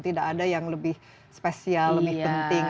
tidak ada yang lebih spesial lebih penting